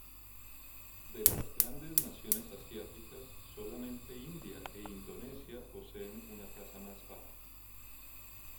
De las grandes naciones asiáticas, solamente India e Indonesia poseen una tasa más baja.